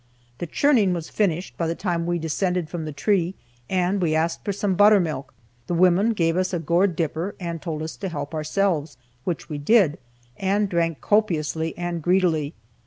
The churning was finished by the time we descended from the tree, and we asked for some buttermilk. The women gave us a gourd dipper and told us to help ourselves, which we did, and drank copiously and greedily.